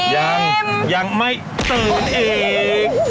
ยังยังไม่ตื่นเอก